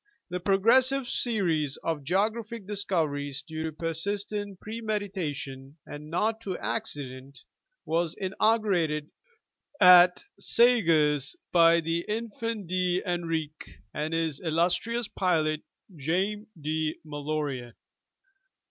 The pro gressive series of geographic discoveries, due to persistent pre meditation and not to accident, was inaugurated at Sagres by the Infante D. Enrique and his illustrious pilot Jaime de Mal lorca.